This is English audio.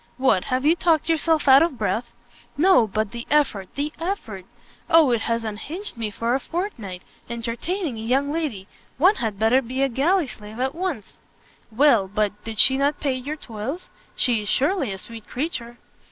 "What, have you talked yourself out of breath?" "No; but the effort! the effort! O, it has unhinged me for a fortnight! Entertaining a young lady! one had better be a galley slave at once!" "Well but, did she not pay your toils? She is surely a sweet creature."